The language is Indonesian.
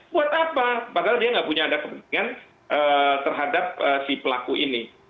buat apa padahal dia nggak punya ada kepentingan terhadap si pelaku ini